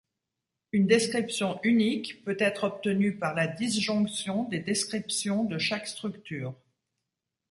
Une description unique peut être obtenue par la disjonction des descriptions de chaque structure.